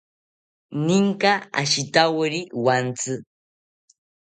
¿Ninka ashitawori wantsi?